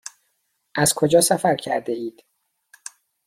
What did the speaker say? از کجا سفر کرده اید؟